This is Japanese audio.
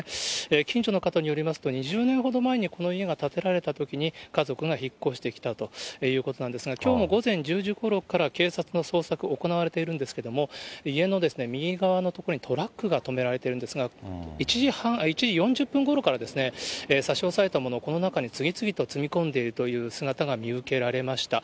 近所の方によりますと、２０年ほど前にこの家が建てられたときに、家族が引っ越してきたということなんですが、きょうも午前１０時ごろから警察の捜索、行われているんですけれども、家の右側の所にトラックが止められているんですが、１時４０分ごろからですね、差し押さえたもの、この中に次々と積み込んでいるという姿が見受けられました。